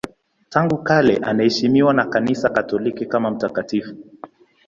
Tangu kale anaheshimiwa na Kanisa Katoliki kama mtakatifu.